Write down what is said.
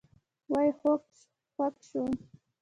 وئ خوږ شوم